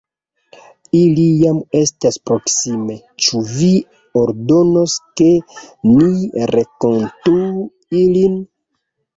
Ili jam estas proksime, ĉu vi ordonos, ke ni renkontu ilin?